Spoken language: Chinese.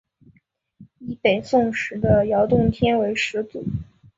以北宋时的饶洞天为始祖。